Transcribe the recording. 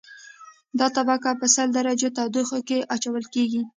دا طبقه په سل درجو تودوخه کې اچول کیږي